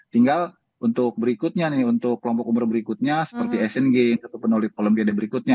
tinggal untuk berikutnya nih untuk kelompok umur berikutnya seperti sng atau penulis kolembia berikutnya